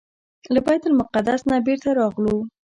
له بیت المقدس نه بیرته راغلو.